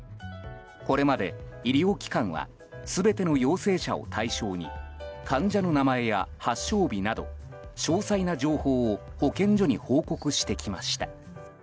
これまで医療機関は全ての陽性者を対象に患者の名前や発症日など詳細な情報を保健所に報告してきました。